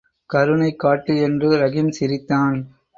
கருணை காட்டு என்று ரஹீம் சிரித்தான்.